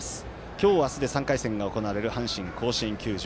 今日、明日で３回戦が行われる阪神甲子園球場。